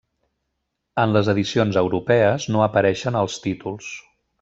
En les edicions europees no apareixen als títols.